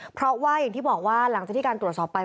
เพราะว่าอย่างที่บอกว่าหลังจากที่การตรวจสอบไป